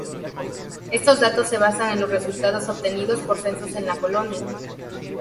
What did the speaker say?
Estos datos se basan en los resultados obtenidos por censos en la Colonia.